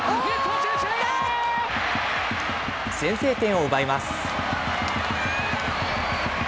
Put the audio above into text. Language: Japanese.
先制点を奪います。